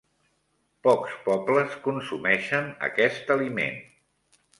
Pocs pobles consumeixen aquest aliment.